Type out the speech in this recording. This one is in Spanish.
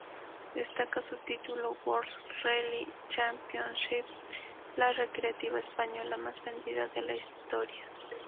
Destaca su título World Rally Championship, la recreativa española más vendida de la historia.